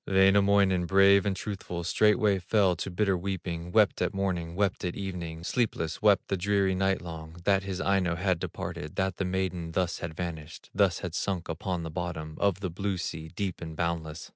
Wainamoinen, brave and truthful, Straightway fell to bitter weeping, Wept at morning, wept at evening, Sleepless, wept the dreary night long, That his Aino had departed, That the maiden thus had vanished, Thus had sunk upon the bottom Of the blue sea, deep and boundless.